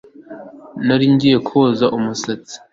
Nari ngiye koza umusatsi